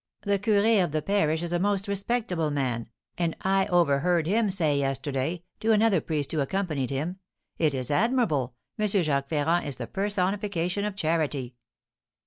"The curé of the parish is a most respectable man, and I overheard him say yesterday, to another priest who accompanied him, 'It is admirable! M. Jacques Ferrand is the personification of charity.'"